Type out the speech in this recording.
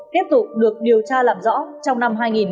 tiếp tục được điều tra làm rõ